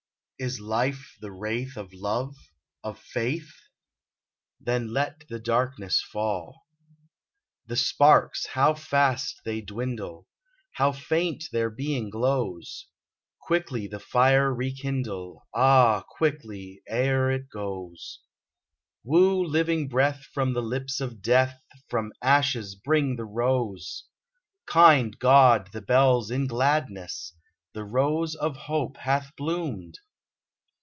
Is life the wraith of love — of faith ? Then let the darkness fall ! The sparks — how fast they dwindle ! How faint their being glows ! Quickly the fire rekindle — Ah, quickly ! e'er it goes ! 126 RENEWAL Woo living breath from the lips of death ! From ashes bring the rose ! Kind God ! The bells, in gladness ! The rose of hope hath bloomed